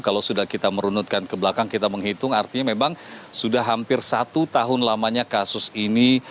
kalau sudah kita merunutkan ke belakang kita menghitung artinya memang sudah hampir satu tahun lamanya kasus ini